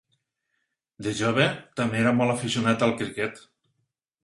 De jove, també era molt aficionat al criquet.